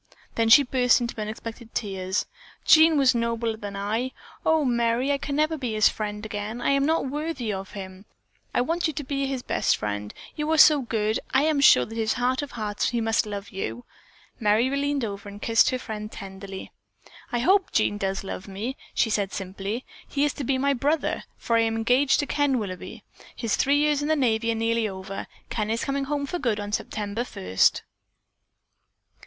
Then she burst into unexpected tears. "Jean was nobler than I! Oh, Merry, I never can be his friend again. I am not worthy of him. I want you to be his best friend. You are so good. I am sure that in his heart of hearts he must love you." Merry leaned over and kissed her friend tenderly. "I hope Jean does love me," she said simply. "He is to be my brother, for I am engaged to Ken Willoughby. His three years in the navy are nearly over. Ken is coming home for good on September first."